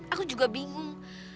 aku juga bingung